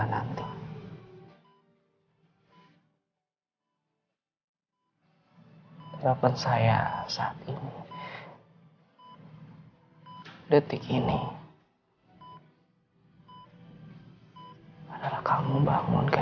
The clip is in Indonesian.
dan jangan berdua